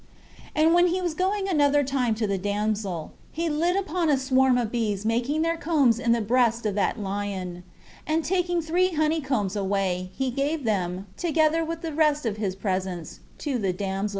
6. And when he was going another time to the damsel, he lit upon a swarm of bees making their combs in the breast of that lion; and taking three honey combs away, he gave them, together with the rest of his presents, to the damsel.